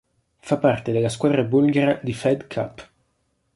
Fa parte della squadra bulgara di Fed Cup.